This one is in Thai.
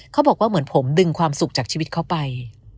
เขาบอกว่าเหมือนผมดึงความสุขจากชีวิตเขาไป